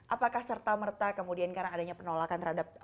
apakah serta merta kemudian karena adanya penolakan terhadap